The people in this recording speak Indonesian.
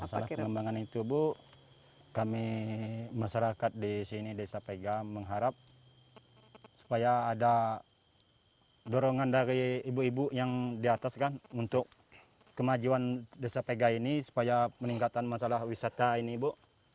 masalah pengembangan itu bu kami masyarakat di sini desa pega mengharap supaya ada dorongan dari ibu ibu yang di atas kan untuk kemajuan desa pega ini supaya peningkatan masalah wisata ini bu